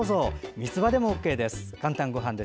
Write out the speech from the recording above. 三つ葉でもＯＫです。